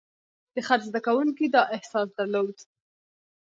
د خط زده کوونکي دا احساس درلود.